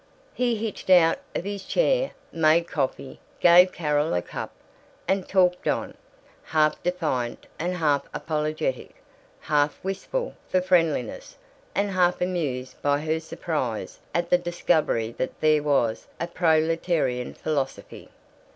He hitched out of his chair, made coffee, gave Carol a cup, and talked on, half defiant and half apologetic, half wistful for friendliness and half amused by her surprise at the discovery that there was a proletarian philosophy.